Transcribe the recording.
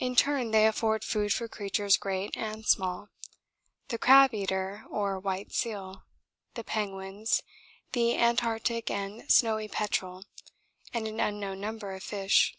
In turn they afford food for creatures great and small: the crab eater or white seal, the penguins, the Antarctic and snowy petrel, and an unknown number of fish.